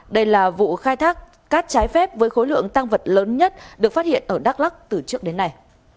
đây là vụ khai thác cát trái phép với khối lượng tăng vật lớn nhất được phát hiện ở đắk lắc từ trước đến nay